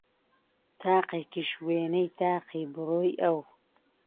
تاقێکیش وێنەی تاقی برۆی ئەو